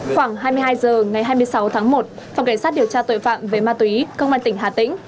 khoảng hai mươi hai h ngày hai mươi sáu tháng một phòng cảnh sát điều tra tội phạm về ma túy công an tỉnh hà tĩnh